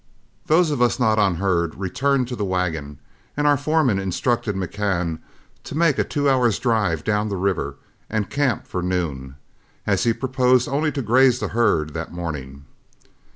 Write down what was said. Those of us not on herd returned to the wagon, and our foreman instructed McCann to make a two hours' drive down the river and camp for noon, as he proposed only to graze the herd that morning.